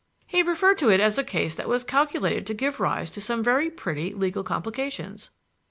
"He referred to it as a case that was calculated to give rise to some very pretty legal complications."